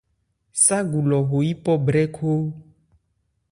Ságu lɔ ho yípɔ brɛ́khó.